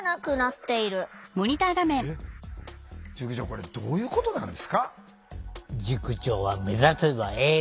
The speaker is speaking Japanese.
これどういうことなんですか？